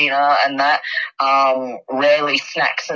kita tidak akan keluar untuk makan malam